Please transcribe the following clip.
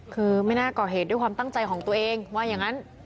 คือไม่น่าก่อเหตุด้วยความตั้งใจของตัวเองว่าอย่างนั้น